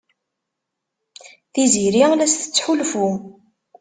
Tiziri la as-tettḥulfu.